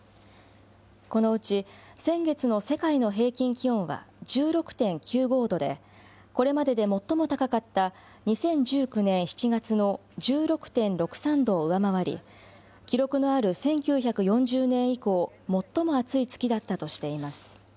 このうち先月の世界の平均気温は１６．９５度で、これまでで最も高かった２０１９年７月の１６．６３度を上回り、記録のある１９４０年以降、最も暑い月だったとしています。